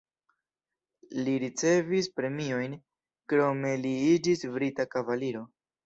Li ricevis premiojn, krome li iĝis brita kavaliro.